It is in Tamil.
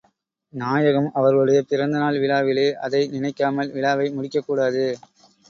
நாயகம் அவர்களுடைய பிறந்த நாள் விழாவிலே அதை நினைக்காமல் விழாவை முடிக்கக் கூடாது.